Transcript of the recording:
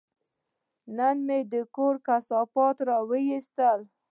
نن مې د کور کثافات وایستل.